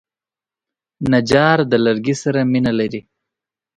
نجار د لرګي سره مینه لري.